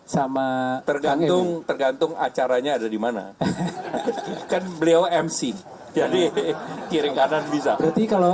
sama tergantung tergantung acaranya ada dimana kan beliau mc jadi kiri kanan bisa berarti kalau